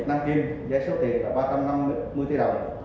năng kim giá số tiền là ba trăm năm mươi tỷ đồng